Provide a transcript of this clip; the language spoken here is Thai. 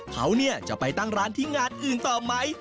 เขาเนี่ยจะไปตั้งร้านที่งานอื่นต่อไหม